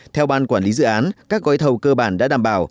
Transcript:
theo ban quản lý dự án các gói thầu cơ bản đã đảm bảo